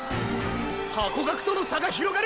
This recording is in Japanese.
ハコガクとの差が広がる！！